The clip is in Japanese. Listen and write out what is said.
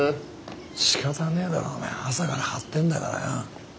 しかたねえだろお前朝から張ってんだからよ。